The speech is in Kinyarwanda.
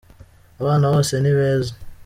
Abana bose ni beza.